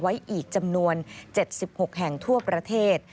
ไว้อีกจำนวน๗๖แห่งทั่วประเทศ